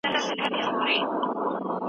تاسو باید په خپل ځان باندې پوره باور ولرئ.